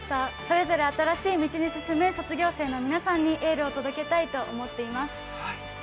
それぞれ新しい道を進む卒業生の皆さんにエールを届けたいと思っています。